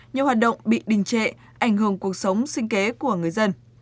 nhiều hoạt động bị đình trệ ảnh hưởng cuộc sống sinh kế của người dân